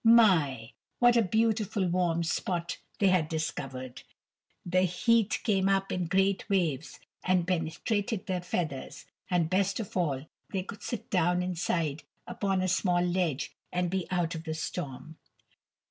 My, what a beautiful warm spot they had discovered! The heat came up in great waves and penetrated their feathers, and best of all they could sit down inside upon a small ledge and be out of the storm.